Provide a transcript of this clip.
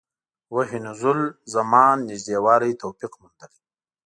وحي نزول زمان نژدې والی توفیق موندلي.